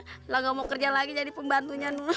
kalau nggak mau kerja lagi jadi pembantunya